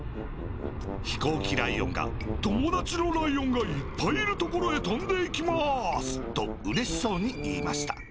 ひこうきライオンが「ともだちのライオンがいっぱいいるところへとんでいきます」とうれしそうにいいました。